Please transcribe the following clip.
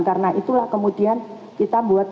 karena itulah kemudian kita buat